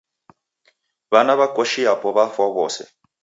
W'ana w'a koshi yapo w'afwa w'ose